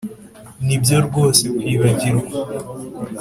nibyo rwose kwibagirwa